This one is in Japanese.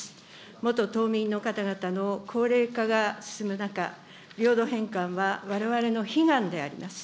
元島民の方々の高齢化が進む中、領土返還は、われわれの悲願であります。